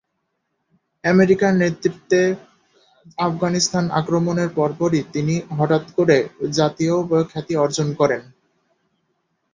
আমেরিকার নেতৃত্বে আফগানিস্তান আক্রমণের পরপরই তিনি হঠাৎ করে জাতীয় খ্যাতি অর্জন করেন।